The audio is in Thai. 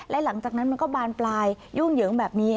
และหลังจากนั้นมันก็บานปลายยุ่งเหยิงแบบนี้